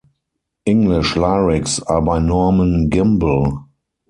English lyrics are by Norman Gimbel.